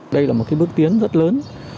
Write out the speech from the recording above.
đây là một cái bước tiến rất lớn